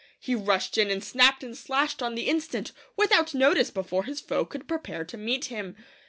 He rushed in and snapped and slashed on the instant, without notice, before his foe could prepare to meet him.